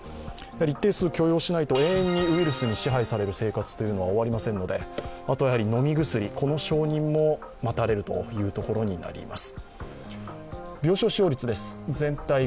一定数許容しないと延々にウイルスに支配される生活が終わりませんので飲み薬の承認も待たれるというところになります。